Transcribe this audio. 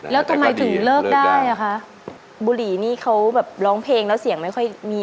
แล้วทำไมถึงเลิกได้อ่ะคะบุหรี่นี่เขาแบบร้องเพลงแล้วเสียงไม่ค่อยมี